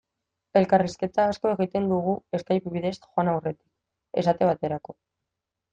Elkarrizketa asko egiten dugu Skype bidez joan aurretik, esate baterako.